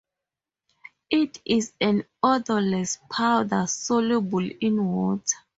It is an odorless powder soluble in water.